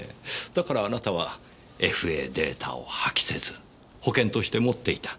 だからあなたはＦＡデータを破棄せず保険として持っていた。